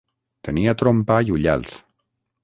Tenia trompa i ullals.